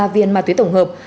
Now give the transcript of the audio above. ba viên ma túy tổng hợp